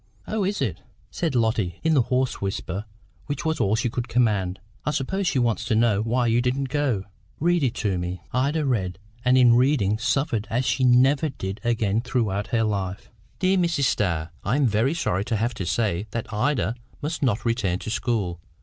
"Oh, is it?" said Lotty, in the hoarse whisper which was all she could command "I suppose she wants to know why you didn't go. Read it to me." Ida read, and, in reading, suffered as she never did again throughout her life. "DEAR MRS. STARR, I am very sorry to have to say that Ida must not return to school.